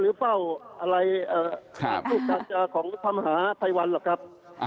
หรือเฝ้าอะไรศูนย์จัดจ่าของภาษาภัยวัลหรือครับ